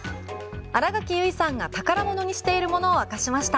新垣結衣さんが宝物にしているものを明かしました。